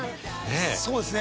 そうですね。